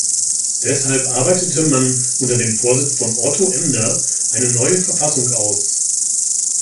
Deshalb arbeitete man unter dem Vorsitz von Otto Ender eine neue Verfassung aus.